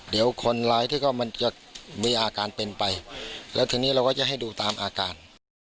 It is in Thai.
เดี๋ยวคนร้ายที่ก็มันจะมีอาการเป็นไปแล้วทีนี้เราก็จะให้ดูตามอาการ